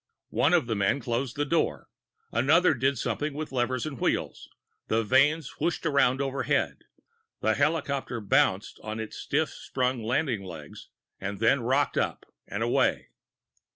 One of the men closed the door; another did something with levers and wheels; the vanes whooshed around overhead; the helicopter bounced on its stiff sprung landing legs and then rocked up and away.